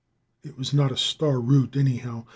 It was not a star route, anyhow.